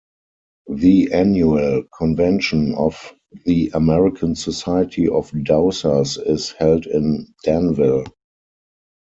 The annual convention of the American Society of Dowsers is held in Danville.